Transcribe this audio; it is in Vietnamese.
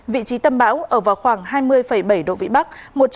vị trí tâm bão ở vào khoảng hai mươi bảy độ vĩ bắc